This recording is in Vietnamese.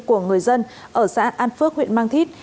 của người dân ở xã an phước huyện mang thít